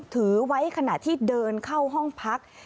ถือไว้ขณะที่เดินเข้าห้องพัก